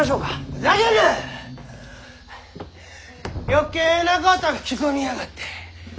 余計なこと吹き込みやがって。